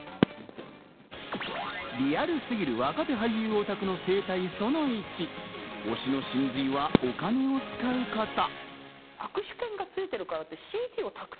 リアルすぎる若手俳優オタクの生態その１、推しの真髄はお金を使うこと。